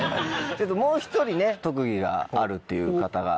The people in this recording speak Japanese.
もう１人特技があるっていう方が。